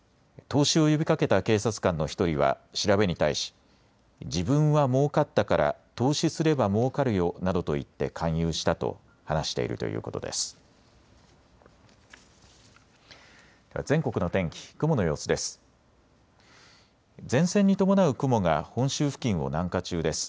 投資を呼びかけた警察官の１人は調べに対し自分はもうかったから投資すればもうかるよなどと言って勧誘したと話しているということです。